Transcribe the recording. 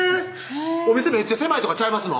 お店めっちゃ狭いとかちゃいますの？